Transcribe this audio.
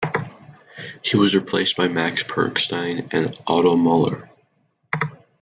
He was replaced by Max Pechstein and Otto Mueller.